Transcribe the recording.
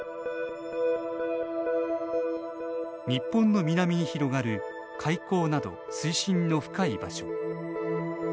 日本の南に広がる海溝など水深の深い場所。